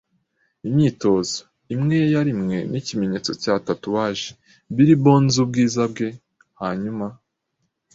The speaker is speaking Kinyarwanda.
imyitozo. Imwe yari imwe nikimenyetso cya tatouage, “Billy Bones ubwiza bwe”; hanyuma